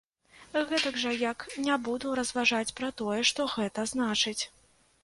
Гэтак жа, як не буду разважаць пра тое, што гэта значыць.